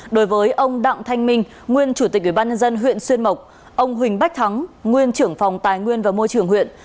đối với ông đặng thanh minh nguyên chủ tịch ubnd huyện xuyên mộc ông huỳnh bách thắng nguyên trưởng phòng tài nguyên và môi trường huyện